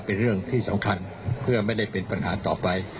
เป็นเรื่องที่สำคัญเพื่อไม่ได้เป็นปัญหาต่อไป